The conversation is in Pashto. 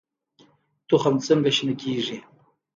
تخم څنګه شنه کیږي؟